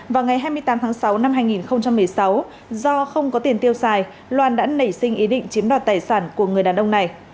vào ngày hai mươi tám tháng sáu năm hai nghìn một mươi sáu do không có tiền tiêu xài loan đã nảy sinh ý định chiếm đoạt tài sản của người đàn ông này